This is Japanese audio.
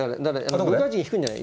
６八に引くんじゃない？